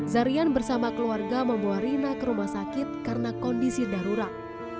zarian bersama keluarga membawa rina ke rumah sakit karena kondisi darurat